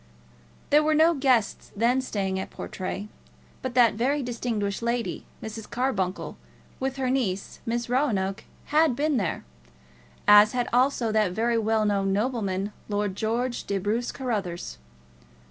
There were no guests then staying at Portray; but that very distinguished lady, Mrs. Carbuncle, with her niece, Miss Roanoke, had been there; as had also that very well known nobleman, Lord George de Bruce Carruthers.